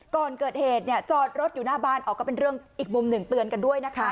ก่อนเกิดเหตุเนี่ยจอดรถอยู่หน้าบ้านอ๋อก็เป็นเรื่องอีกมุมหนึ่งเตือนกันด้วยนะคะ